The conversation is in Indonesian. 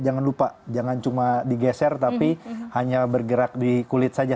jangan lupa jangan cuma digeser tapi hanya bergerak di kulit saja